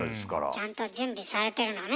ちゃんと準備されてるのね。